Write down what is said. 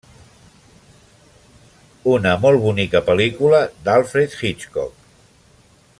Un molt bonica pel·lícula d'Alfred Hitchcock.